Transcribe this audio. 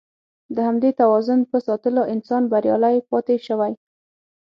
د همدې توازن په ساتلو انسان بریالی پاتې شوی.